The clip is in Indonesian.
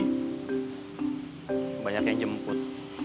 kebanyakan yang jemput